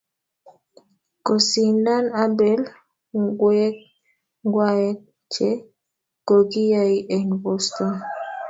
kosindan Abel ngwaek che kokiyai en boston